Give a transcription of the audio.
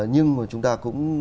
nhưng mà chúng ta cũng